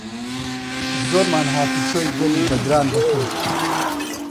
زۆرمان هاتوچۆی گەڵی بەدران دەکرد